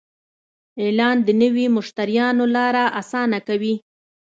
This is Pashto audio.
اعلان د نوي مشتریانو لاره اسانه کوي.